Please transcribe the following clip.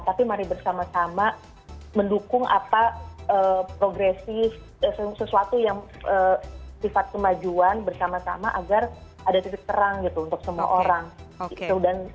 tapi mari bersama sama mendukung apa progresif sesuatu yang sifat kemajuan bersama sama agar ada titik terang gitu untuk semua orang